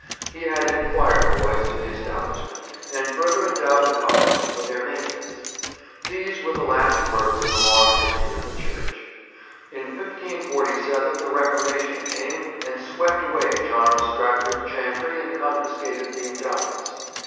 He added choir boys to the establishment, and further endowed the College, for their maintenance. These were the last works in the long history of the church. In 1547 the Reformation came and swept away John of Stratford's chantry and confiscated the endowments.